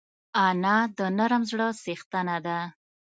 انا د نرم زړه څښتنه ده